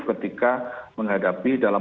ketika menghadapi dalam